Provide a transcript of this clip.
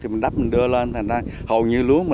thì mình đắp mình đưa lên thành ra hầu như lúa mà